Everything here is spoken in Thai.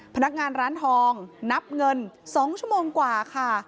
พนักงานร้านทองนับเงิน๒ชั่วโมงกว่าค่ะ